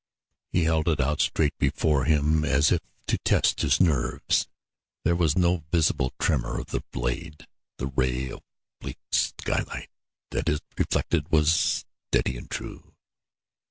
He held it out straight before him, as if to test his nerves. There was no visible tremor of the blade; the ray of bleak skylight that it reflected was steady and true.